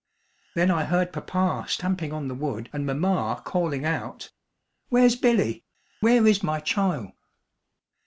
Then I heard papa stamping on the wood and mamma calling out: "Where's Billy? Where is my chile?"